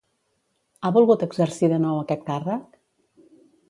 Ha volgut exercir de nou aquest càrrec?